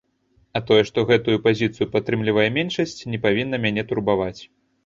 А тое, што гэтую пазіцыю падтрымлівае меншасць, не павінна мяне турбаваць.